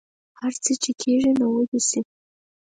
هر څه چې کیږي نو ودې شي